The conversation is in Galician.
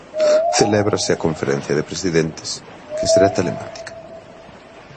Celébrase a conferencia de Presidentes, que será telemática.